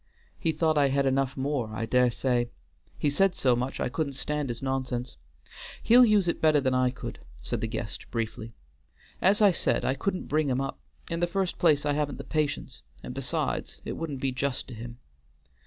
"He thought I had enough more, I dare say. He said so much I couldn't stand his nonsense. He'll use it better than I could," said the guest briefly. "As I said, I couldn't bring him up; in the first place I haven't the patience, and beside, it wouldn't be just to him.